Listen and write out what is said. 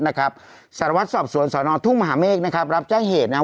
สารวัตรสอบสวนสอนอทุ่งมหาเมฆนะครับรับแจ้งเหตุนะครับ